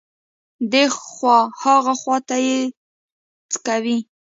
دې خوا ها خوا ته يې څکوي.